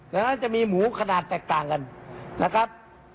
ดังนั้นจะมีหมูขนาดแตกต่างกันนะครับ